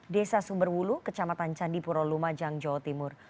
desa sumberwulu kecamatan candipuro lumajang jawa timur